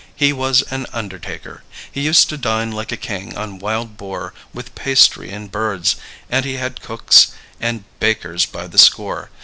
He was an undertaker. He used to dine like a king on wild boar with pastry and birds, and he had cooks and bakers by the score.